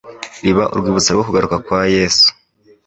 riba Urwibutso rwo kugaruka kwa Yesu